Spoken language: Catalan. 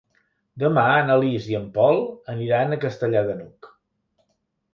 Demà na Lis i en Pol aniran a Castellar de n'Hug.